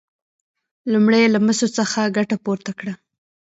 لومړی یې له مسو څخه ګټه پورته کړه.